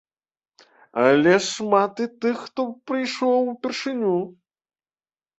Але шмат і тых, хто прыйшоў упершыню.